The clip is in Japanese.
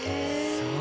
そう。